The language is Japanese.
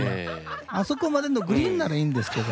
あそこまでのグリーンならいいんですけど。